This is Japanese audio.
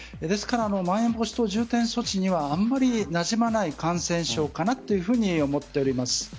ですからまん延防止等重点措置にはあまりなじまない感染症かなというふうに思っています。